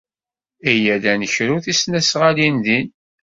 Iyya ad d-nekru tisnasɣalin din.